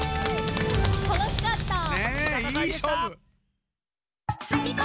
楽しかった。